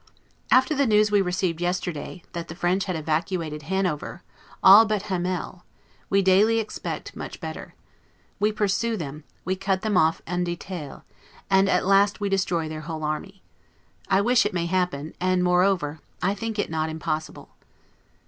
After the news we received yesterday, that the French had evacuated Hanover, all but Hamel, we daily expect much better. We pursue them, we cut them off 'en detail', and at last we destroy their whole army. I wish it may happen; and, moreover, I think it not impossible.